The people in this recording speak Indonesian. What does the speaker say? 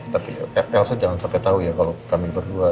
tapi elsa jangan sampai tau ya kalau kami berdua